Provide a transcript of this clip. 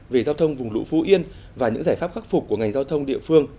về giao thông vùng lũ phú yên và những giải pháp khắc phục của ngành giao thông địa phương